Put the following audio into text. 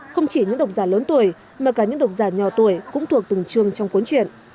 không chỉ những độc giả lớn tuổi mà cả những độc giả nhỏ tuổi cũng thuộc từng trường trong cuốn chuyện